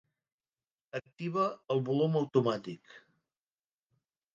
Activa el volum automàtic.